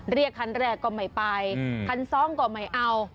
เรียกคันแรกก็ไม่ไปคันสองก็ไม่เอา